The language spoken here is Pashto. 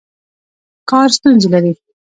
کار ستونزې لري.